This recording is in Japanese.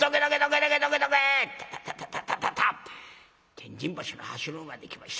天神橋の橋の上まで来ました。